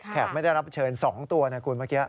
ไม่ได้รับเชิญ๒ตัวนะคุณเมื่อกี้